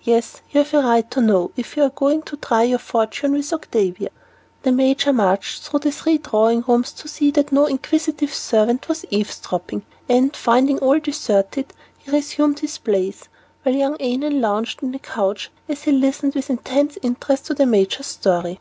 "Yes, you've a right to know, if you are going to try your fortune with Octavia." The major marched through the three drawing rooms to see that no inquisitive servant was eavesdropping, and, finding all deserted, he resumed his place, while young Annon lounged on a couch as he listened with intense interest to the major's story.